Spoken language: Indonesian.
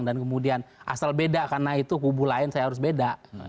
dan kemudian asal beda karena itu kubu lain saya harus beda